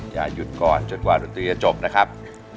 อย่าหยุดก่อนจนกว่าดนตรีจะจบนะครับ